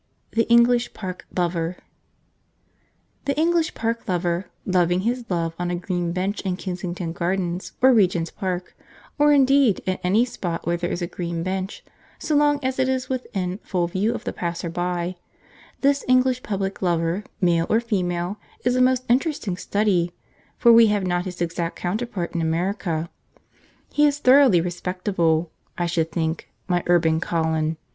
The English Park Lover. The English Park Lover, loving his love on a green bench in Kensington Gardens or Regent's Park, or indeed in any spot where there is a green bench, so long as it is within full view of the passer by, this English public lover, male or female, is a most interesting study, for we have not his exact counterpart in America. He is thoroughly respectable, I should think, my urban Colin.